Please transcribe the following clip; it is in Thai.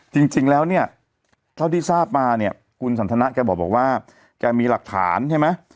จริงแล้วเนี่ยเท่าที่ทราบมาเนี่ยคุณสันทนะแกบอกว่าแกมีหลักฐานใช่ไหม